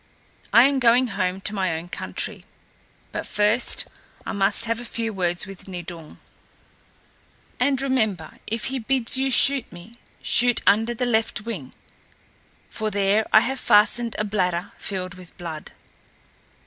I am going home to my own country, but first I must have a few words with Nidung. And, remember, if he bids you shoot me, shoot under the left wing, for there I have fastened a bladder filled with blood."